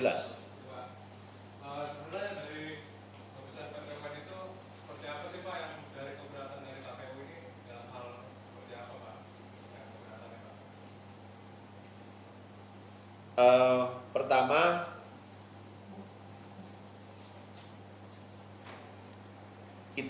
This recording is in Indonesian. pembesaran pengembangan itu